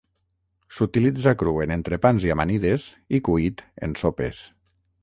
S'utilitza cru en entrepans i amanides i cuit en sopes.